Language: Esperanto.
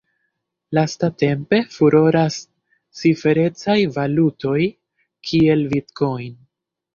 Lastatempe furoras ciferecaj valutoj kiel Bitcoin.